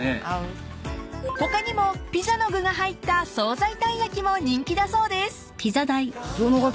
［他にもピザの具が入った惣菜たい焼きも人気だそうです］